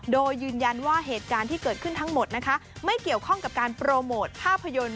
โดยยืนยันว่าเหตุการณ์ที่เกิดขึ้นทั้งหมดนะคะไม่เกี่ยวข้องกับการโปรโมทภาพยนตร์